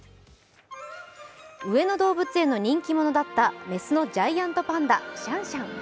上野動物園の人気者だった雌のジャイアントパンダ・シャンシャン。